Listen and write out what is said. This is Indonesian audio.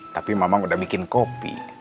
tapi memang udah bikin kopi